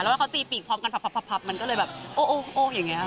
แล้วก็เขาตีปีกพร้อมกันพับมันก็เลยแบบโอ้อย่างนี้